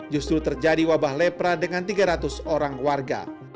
justru terjadi wabah lepra dengan tiga ratus orang warga